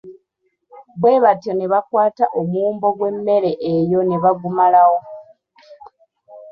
Bwe batyo ne bakwata omuwumbo gw’emmere eyo ne bagumalawo.